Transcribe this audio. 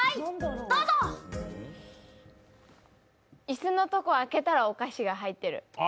椅子のところ開けたらお菓子が入ってる。